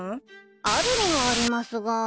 あるにはありますが。